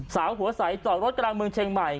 สาวหัวใสจอดรถกลางเมืองเชียงใหม่